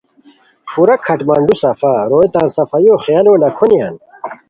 پورا کھڈمندو صفا۔ روئے تان صفائیو خیالو لکھونیان۔